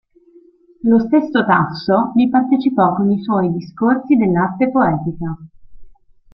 Lo stesso Tasso vi partecipò con i suoi "Discorsi dell'arte poetica".